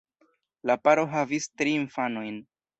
La paro havis tri infanojn.